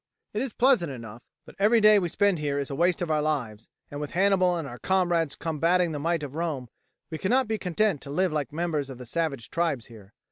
It is pleasant enough, but every day we spend here is a waste of our lives, and with Hannibal and our comrades combating the might of Rome we cannot be content to live like members of the savage tribes here.